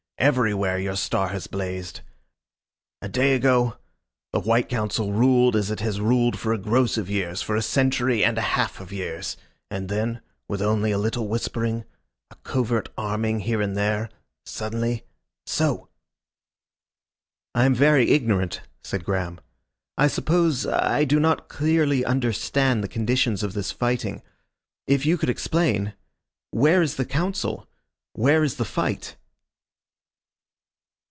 Everywhere your star has blazed. A day ago the White Council ruled as it has ruled for a gross of years, for a century and a half of years, and then, with only a little whispering, a covert arming here and there, suddenly So!" "I am very ignorant," said Graham. "I suppose I do not clearly understand the conditions of this fighting. If you could explain. Where is the Council? Where is the fight?"